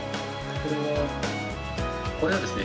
「これはですね